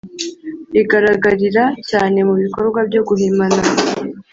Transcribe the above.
rigaragarira cyane mu bikorwa byo guhimana